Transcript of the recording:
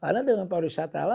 karena dengan pariwisata lah